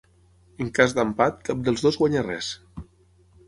En cas d'empat, cap dels dos guanya res.